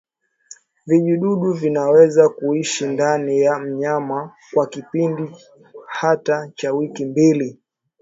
Vijidudu vinaweza kuishi ndani ya mnyama kwa kipindi hata cha wiki mbili